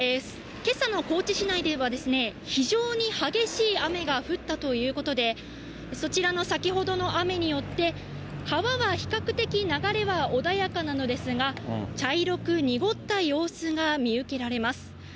けさの高知市内では、非常に激しい雨が降ったということで、そちらの先ほどの雨によって、川は比較的流れは穏やかなのですが、茶色く濁った様子が見受けられます。